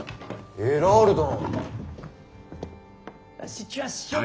エラール殿。